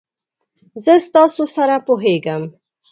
زه ستاسو سره پوهیږم.